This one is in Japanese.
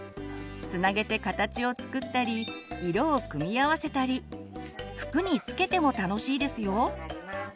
つなげて形を作ったり色を組み合わせたり服に付けても楽しいですよ！